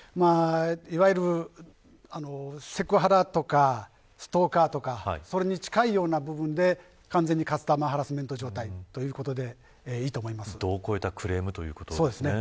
いわゆるセクハラとかストーカーとかそれに近いような部分で完全にカスタマーハラスメント状態ということで度を超えたクレームということですね。